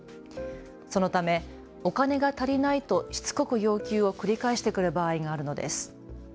そのため、お金が足りないとしつこく要求を繰り返してくる場合があるのです。